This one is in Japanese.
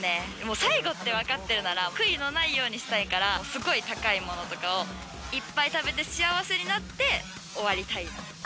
最後って分かってるなら、悔いのないようにしたいから、すっごい高いものとかをいっぱい食べて、幸せになって、終わりたい。